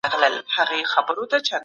اسلام په هر څه کي رڼا ده.